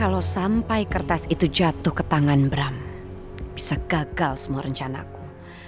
kalau sampai kertas itu jatuh ke tangan bram bisa gagal semua rencanaku